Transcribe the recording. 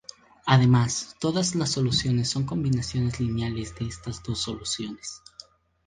Además, todas las soluciones son combinaciones lineales de estas dos soluciones.